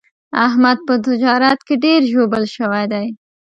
احمد په تجارت کې ډېر ژوبل شوی دی.